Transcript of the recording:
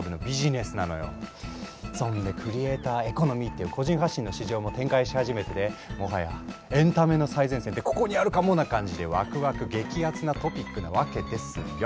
そんでクリエイターエコノミーっていう個人発信の市場も展開し始めててもはやエンタメの最前線ってここにあるかもな感じでワクワク激アツなトピックなわけですよ。